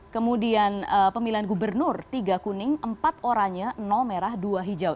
kemudian pemilihan gubernur tiga kuning empat oranye merah dua hijau